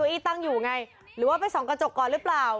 อี้ตั้งอยู่ไงหรือว่าไปส่องกระจกก่อนหรือเปล่า